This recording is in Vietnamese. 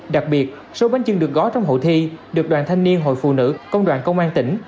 đặc biệt số bánh trưng được gói trong hội thi được đoàn thanh niên hội phụ nữ công đoàn công an tỉnh